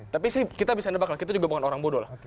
tapi sih kita bisa nebak lah kita juga bukan orang bodoh lah